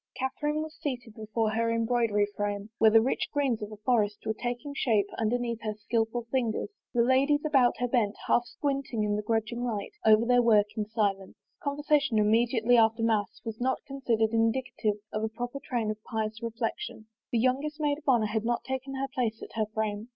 Catherine was seated before her embroidery frame 4 THE QUEEN'S REFUSAL where the rich greens of a forest were taking shape un der her skillful fingers; the ladies about her bent, half squinting in the grudging light, over their work in silence. Conversation immediately after mass was not considered indicative of a proper train of pious reflection. The youngest maid of honor had not taken her place at her frame.